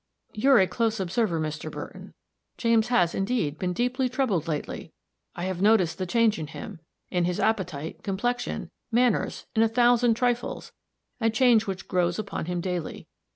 "You're a close observer, Mr. Burton. James has, indeed, been deeply troubled lately. I have noticed the change in him in his appetite, complexion, manners, in a thousand trifles a change which grows upon him daily.